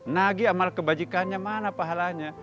nagi amal kebajikannya mana pahalanya